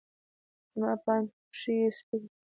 زما په اند، پښې یې سپکې کړې.